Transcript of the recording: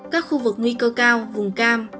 các khu vực nguy cơ cao vùng cam